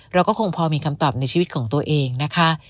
เราก็คงพอมีคำตอบในชีวิตของตัวเองนะคะ